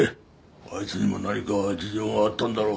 あいつにも何か事情があったんだろう